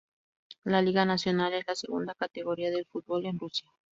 La Liga Nacional es la segunda categoría del fútbol en Rusia.